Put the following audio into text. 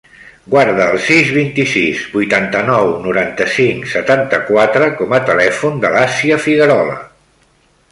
Guarda el sis, vint-i-sis, vuitanta-nou, noranta-cinc, setanta-quatre com a telèfon de l'Assia Figuerola.